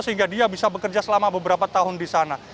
sehingga dia bisa bekerja selama beberapa tahun di sana